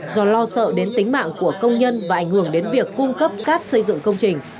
do lo sợ đến tính mạng của công nhân và ảnh hưởng đến việc cung cấp cát xây dựng công trình